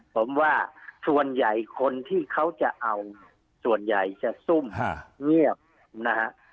ผมว่าส่วนใหญ่คนที่เขาจะเอาส่วนใหญ่จะซุ่มเงียบนะฮะ